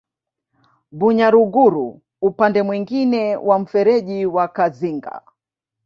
Bunyaruguru upande mwingine wa mfereji wa Kazinga